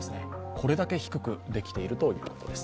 これだけ低くできているということです。